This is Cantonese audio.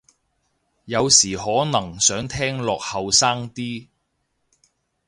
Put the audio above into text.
有時可能想聽落後生啲